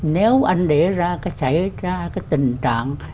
nếu anh để ra cái xảy ra cái tình trạng